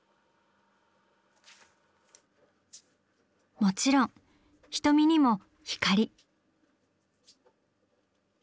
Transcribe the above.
もちろん瞳にも光！